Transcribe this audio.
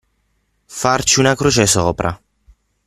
Farci una croce sopra.